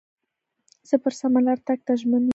زه پر سمه لار تګ ته ژمن یم.